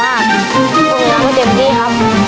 ผมอยากมาเต็มที่ครับ